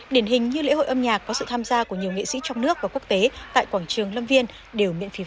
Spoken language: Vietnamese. điển hình như lễ hội âm nhạc có sự tham gia của nhiều nghệ sĩ trong nước và quốc tế tại quảng trường lâm viên đều miễn phí vé